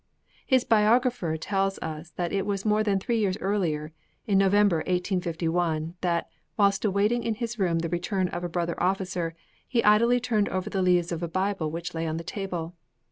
His biographer tells us that it was more than three years earlier in November, 1851 that, whilst awaiting in his room the return of a brother officer, he idly turned over the leaves of a Bible which lay on the table.